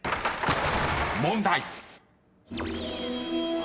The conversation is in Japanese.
［問題］